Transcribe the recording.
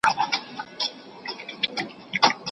د غواګانو تازه شیدې د کلي په بازار کې پلورل کیږي.